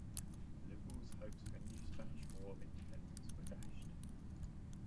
The liberals' hopes for a new Spanish War of Independence were dashed.